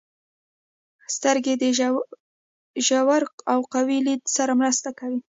• سترګې د ژور او قوي لید سره مرسته کوي.